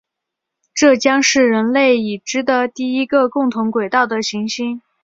这将是人类已知的第一个共同轨道的行星。